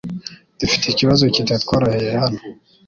Dufite ikibazo kitatworoheye hano .